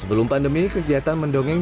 sebelum pandemi kegiatan mendongeng